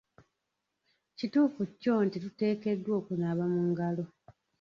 Kituufu kyo nti tuteekeddwa okunaaba mu ngalo.